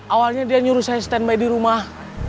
awalnya dia nyuruh saya stand by di rumah